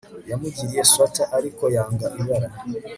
Yamuguriye swater ariko yanga ibara